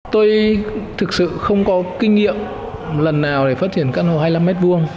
tôi thực sự không có kinh nghiệm lần nào để phát triển căn hộ hai mươi năm m hai